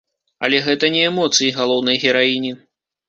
Але гэта не эмоцыі галоўнай гераіні.